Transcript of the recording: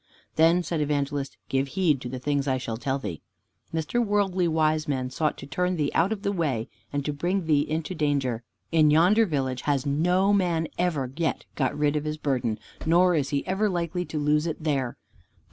Then said Evangelist, "Give heed to the things I shall tell thee. Mr. Worldly Wiseman sought to turn thee out of the way and to bring thee into danger. In yonder village has no man ever yet got rid of his burden, nor is he ever likely to lose it there.